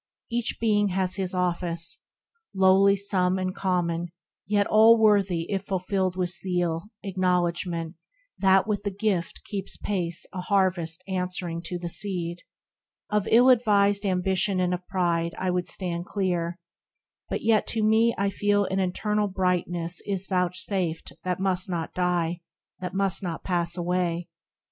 Each Being has his office, lowly some And common, yet all worthy if fulfilled With zeal, acknowledgment that with the gift Keeps pace a harvest answering to the seed. Of ill advised Ambition and of Pride I would stand clear, but yet to me I feel That an internal brightness is vouchsafed That must not die, that must not pass away.